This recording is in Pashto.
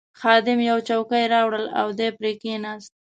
خادم یوه چوکۍ راوړل او دی پرې کښېناست.